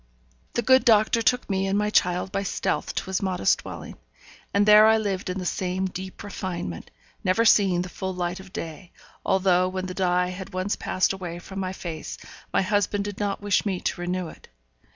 The good doctor took me and my child by stealth to his modest dwelling; and there I lived in the same deep refinement, never seeing the full light of day, although when the dye had once passed away from my face my husband did not wish me to renew it.